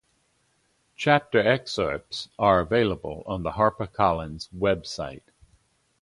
Chapter excerpts are available on the HarperCollins website.